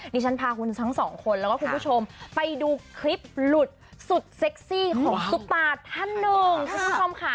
ดิฉันพาคุณทั้งสองคนแล้วก็คุณผู้ชมไปดูคลิปหลุดสุดเซ็กซี่ของซุปตาท่านหนึ่งคุณผู้ชมค่ะ